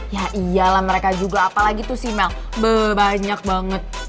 ya iyalah mereka juga apalagi tuh sih mel beuh banyak banget